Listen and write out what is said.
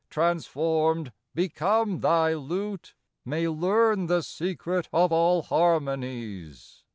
Transformed, become thy lute, May learn the secret of all harmonies.